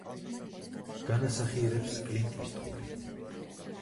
განასახიერებს კლინტ ისტვუდი.